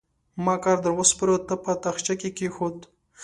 ما کار در وسپاره؛ تا په تاخچه کې کېښود.